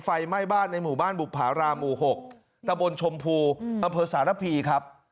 ไฟไหม้บ้านในหมู่บ้านบุภารามหมู่๖ตะบนชมพูอำเภอสารพีครับ